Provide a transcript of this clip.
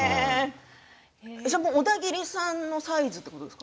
じゃあ、オダギリさんのサイズってことですか。